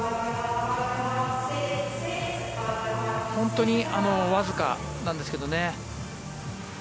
本当にわずかなんですけどね。